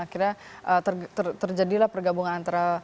akhirnya terjadilah pergabungan antara perempuan dan perempuan